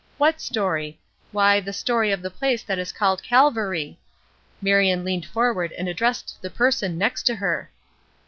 What story? Why, the story of the place that is called Calvary!" Marion leaned forward and addressed the person next to her.